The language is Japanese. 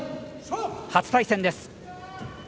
初対戦です。